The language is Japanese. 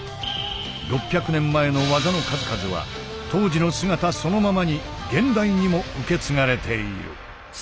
６００年前の技の数々は当時の姿そのままに現代にも受け継がれている。